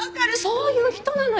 そういう人なのよ。